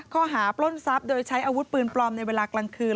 ปล้นทรัพย์โดยใช้อาวุธปืนปลอมในเวลากลางคืน